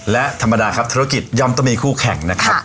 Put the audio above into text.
และธรรมดาครับธุรกิจย่อมต้องมีคู่แข่งนะครับ